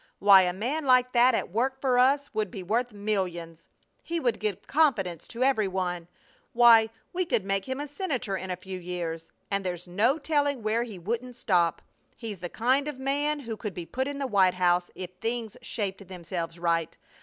Why, a man like that at work for us would be worth millions! He would give confidence to every one! Why, we could make him a Senator in a few years, and there's no telling where he wouldn't stop! He's the kind of a man who could be put in the White House if things shaped themselves right.